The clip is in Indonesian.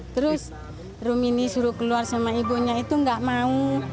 terus rumini suruh keluar sama ibunya itu nggak mau